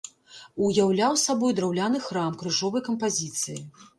Уяўляў сабой драўляны храм крыжовай кампазіцыі.